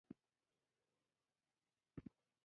د اوسپنې پټلۍ د جوړولو لپاره ګڼ وړاندیزونه یې رد کړل.